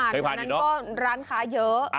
เคยผ่านวันนั้นก็ร้านขายเยอะ